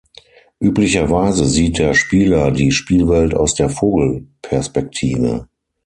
Üblicherweise sieht der Spieler die Spielwelt aus der Vogelperspektive.